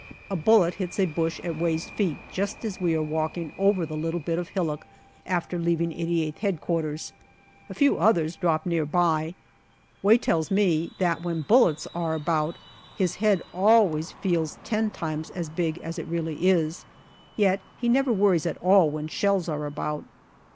A bullet hits a bush at Way's feet just as we are walking ov, er the little bit of hillock after leaving 88th H.Q. A few others drop near by. Way tells me that when bullets are about his head always feels ten times as big as it really is. Yet he never worries at all when shells are about.